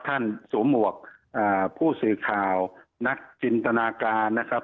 สวมหมวกผู้สื่อข่าวนักจินตนาการนะครับ